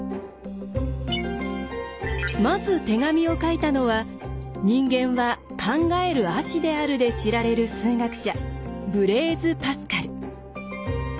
まず手紙を書いたのは「人間は考える葦である」で知られる数学者ブレーズ・パスカル。